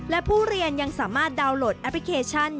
และผู้เรียนยังสามารถดาวน์โหลดแอปพลิเคชัน